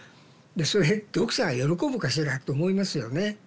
それ読者が喜ぶかしらって思いますよね。